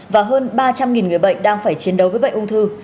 và hơn ba trăm linh người bệnh đang phải chiến đấu với bệnh ung thư